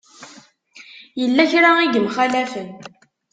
Yella kra i yemxalafen.